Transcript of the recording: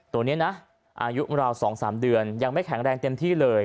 ตัวนี้นะอายุราว๒๓เดือนยังไม่แข็งแรงเต็มที่เลย